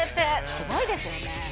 すごいですよね。